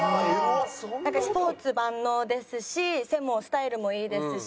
スポーツ万能ですし背もスタイルもいいですし。